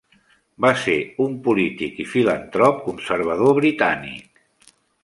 Va ser un polític i filantrop conservador britànic.